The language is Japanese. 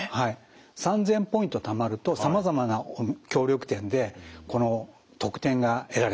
３，０００ポイントたまるとさまざまな協力店でこの特典が得られます。